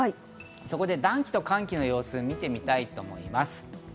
そこで暖気と寒気の様子を見てみたいと思います。